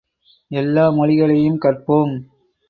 எல்லா மொழிகளையும் கற்போம்!